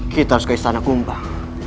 kita harus ke istana kumbang